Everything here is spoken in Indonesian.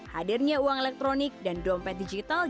hadirnya uang elektronik dan dompet digital